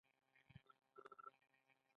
په دې پلورنځۍ کې چرمي اجناس پلورل کېدل.